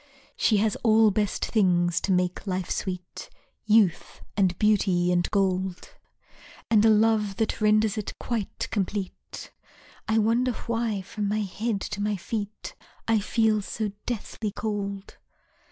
She has all best things to make life sweet: Youth, and beauty, and gold, And a love that renders it quite complete. (I wonder why from my head to my feet I feel so deathly cold?)